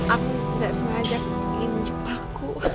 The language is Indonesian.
aku gak sengaja ingin jumpa aku